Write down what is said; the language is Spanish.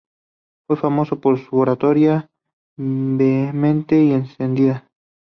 Fue famoso por su oratoria vehemente y encendida.